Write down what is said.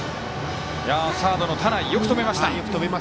サードの田内、よく止めました。